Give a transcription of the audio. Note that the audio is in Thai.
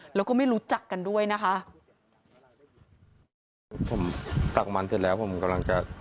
แล้วก็ไม่รู้จักกันด้วยนะคะ